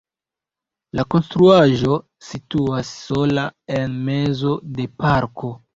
La konstruaĵo situas sola en mezo de parko.